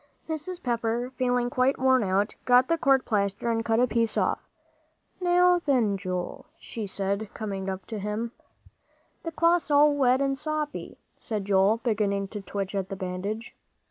Mrs. Pepper, feeling quite worn out, got the court plaster and cut off a piece. "Now then, Joel," she said, coming up to him. "The cloth's all wet and soppy," said Joel, beginning to twitch at the bandage.